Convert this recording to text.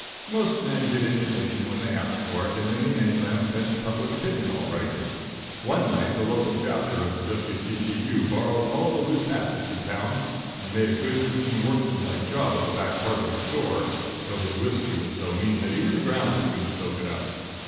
Most men get information when they ask for it, and in the end Lem fetched public opinion all right. One night the local chapter of the W.C.T.U. borrowed all the loose hatchets in town and made a good, clean, workmanlike job of the back part of his store, though his whiskey was so mean that even the ground couldn't soak it up.